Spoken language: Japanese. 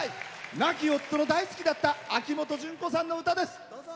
亡き夫の大好きだった秋元順子さんの歌です。